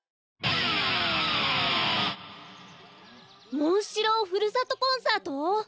モンシローふるさとコンサート？